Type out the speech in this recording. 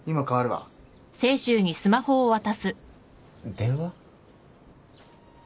電話？